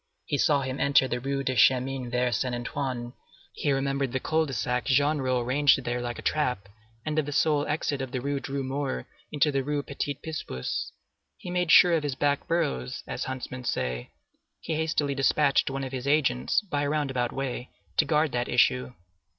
He saw him enter the Rue du Chemin Vert Saint Antoine; he remembered the Cul de Sac Genrot arranged there like a trap, and of the sole exit of the Rue Droit Mur into the Rue Petit Picpus. He made sure of his back burrows, as huntsmen say; he hastily despatched one of his agents, by a roundabout way, to guard that issue.